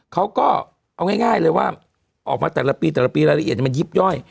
เขาก็เอาง่ายเลยว่าออกมาแต่ละปีแต่ละปีรายละเอียดมันยิบย่อย